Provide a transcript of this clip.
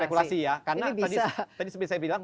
spekulasi ya karena tadi seperti saya bilang